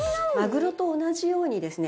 マグロと同じようにですね